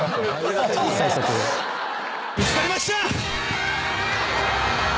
見つかりました！